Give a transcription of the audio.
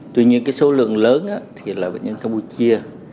tuy nhiên số lượng lớn là bệnh nhân campuchia